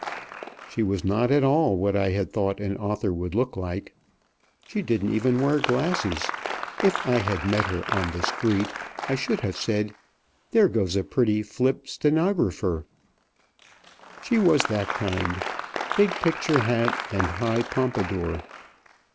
She was not at all what I had thought an author would look like. She didn't even wear glasses. If I had met her on the street I should have said, "There goes a pretty flip stenographer." She was that kind big picture hat and high pompadour.